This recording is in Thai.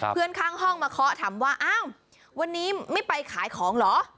เพื่อนข้างห้องมาเคาะถามว่าอ้าววันนี้ไม่ไปขายของเหรอ